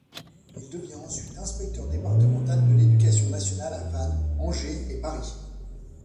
Il devient ensuite inspecteur départemental de l'Éducation nationale à Vannes, Angers et Paris.